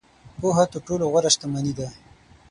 • پوهه تر ټولو غوره شتمني ده.